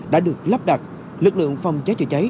đã được lắp đặt lực lượng phòng cháy chữa cháy